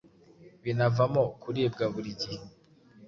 binavamo kuribwa buri gihe.